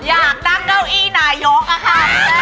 อยากนั่งเก้าอี้นายกอะค่ะ